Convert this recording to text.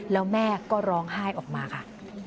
แล้วแม่ก็ร้องไห้ออกมาค่ะ